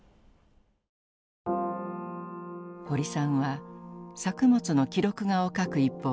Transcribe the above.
堀さんは作物の記録画を描く一方